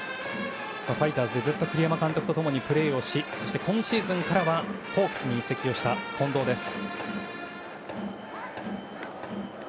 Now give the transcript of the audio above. ファイターズでずっと栗山監督と共にプレーしそして今シーズンからはホークスに移籍をした近藤です。